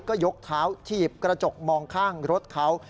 ก็ยกเท้าถีบกระจกมองข้างรถเขา